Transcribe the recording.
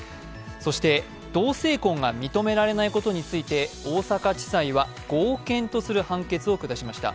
そして同性婚が認められないことについて大阪地裁は合憲とする判決を下しました。